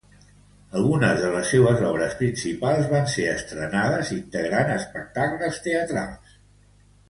Algunes de les seues obres principals van ser estrenades integrant espectacles teatrals.